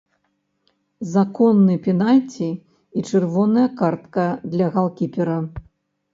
Законны пенальці і чырвоная картка для галкіпера.